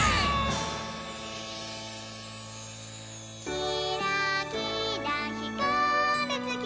「きらきらひかるつき